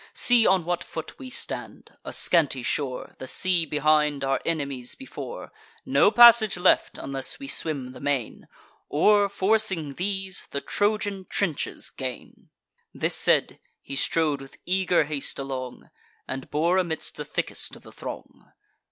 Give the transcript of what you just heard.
See on what foot we stand: a scanty shore, The sea behind, our enemies before; No passage left, unless we swim the main; Or, forcing these, the Trojan trenches gain." This said, he strode with eager haste along, And bore amidst the thickest of the throng.